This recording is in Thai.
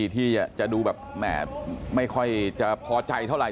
ที่จะดูไม่ค่อยจะพอใจเท่าไร